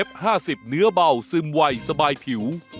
เอาล่ะค่ะเมื่อวานนี้